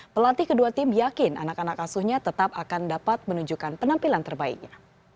pelatih kedua tim yakin anak anak asuhnya tetap akan dapat menunjukkan penampilan terbaiknya